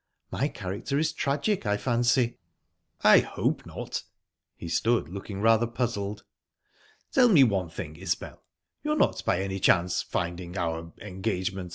My character is tragic, I fancy." "I hope not." He stood looking rather puzzled..."Tell me one thing, Isbel you're not by any chance finding our engagement...